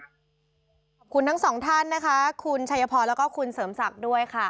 คุณทั้งสองท่านนะคะคุณชัยพรแล้วก็คุณเสริมศักดิ์ด้วยค่ะ